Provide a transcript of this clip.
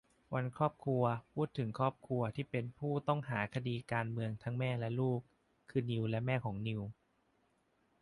วันครอบครัว พูดถึงครอบครัวที่เป็นผู้ต้องหาคดีการเมืองทั้งแม่และลูก คือ นิวและแม่ของนิว